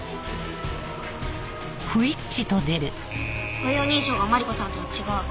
歩容認証がマリコさんとは違う。